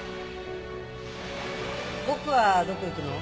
僕はどこ行くの？